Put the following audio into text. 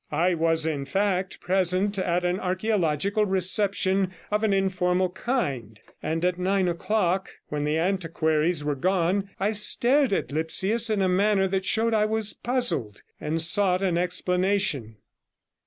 I was, in fact, present at an archaeological reception of an informal kind; and at nine o'clock, when the antiquaries were gone, I stared at Lipsius in a manner that showed I was puzzled, and sought an explanation.